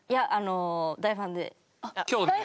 大ファン！